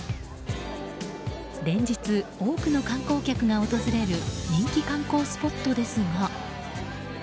連日、多くの観光客が訪れる人気観光スポットですが。